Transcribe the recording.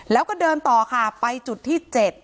แล้วก็เดินต่อค่ะไปจุดที่๗